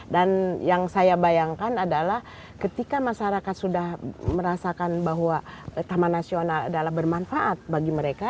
dan yang saya bayangkan adalah ketika masyarakat sudah merasakan bahwa taman nasional adalah bermanfaat bagi mereka